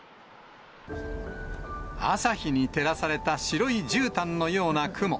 朝日に照らされた白いじゅうたんのような雲。